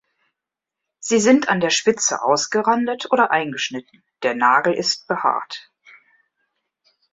Sie sind an der Spitze ausgerandet oder eingeschnitten, der Nagel ist behaart.